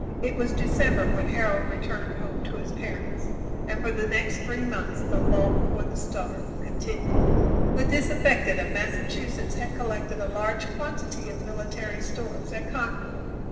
It was December when Harold returned home to his parents, and for the next three months the lull before the storm continued. The disaffected of Massachusetts had collected a large quantity of military stores at Concord.